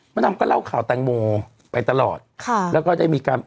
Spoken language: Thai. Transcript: มันน้ำก็เล่าข่าวแต่งโมไปตลอดแล้วก็จะมีการ